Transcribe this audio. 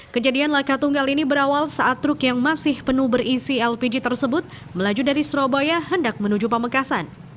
kejadian laka tunggal ini berawal saat truk yang masih penuh berisi lpg tersebut melaju dari surabaya hendak menuju pamekasan